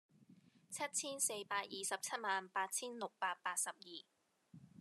七千四百二十七萬八千六百八十二